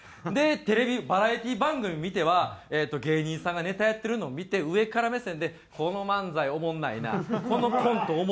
でテレビバラエティー番組見ては芸人さんがネタやってるのを見て上から目線でこの漫才おもんないなこのコント